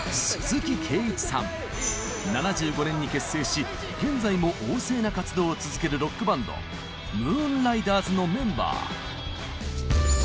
７５年に結成し現在も旺盛な活動を続けるロックバンドムーンライダーズのメンバー。